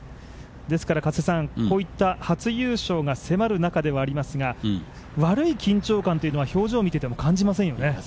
ですから、こういった初優勝が迫る中ではありますが、悪い緊張感というのは表情を見ていても感じませんよね。